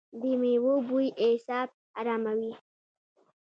د میوو بوی اعصاب اراموي.